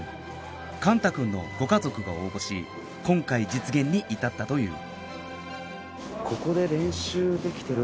幹汰君のご家族が応募し今回実現に至ったという